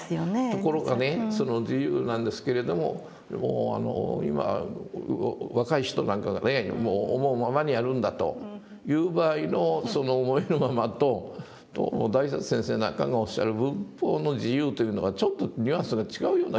ところがねその自由なんですけれどももう今若い人なんかがね「もう思うままにやるんだ」と言う場合のその「思いのまま」と大拙先生なんかがおっしゃる仏法の「自由」というのはちょっとニュアンスが違うような気がする。